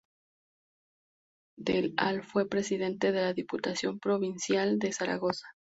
Del al fue Presidenta de la Diputación Provincial de Zaragoza.